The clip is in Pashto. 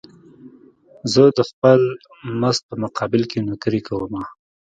زه د خپل مزد په مقابل کې نوکري کومه.